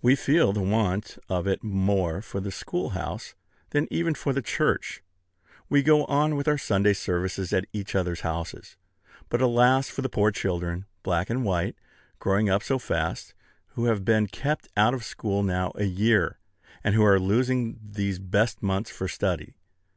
We feel the want of it more for the schoolhouse than even for the church. We go on with our Sunday services at each other's houses; but alas for the poor children, black and white, growing up so fast, who have been kept out of school now a year, and who are losing these best months for study!